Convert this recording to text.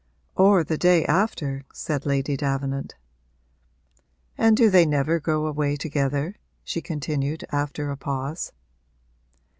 'Or the day after?' said Lady Davenant. 'And do they never go away together?' she continued after a pause.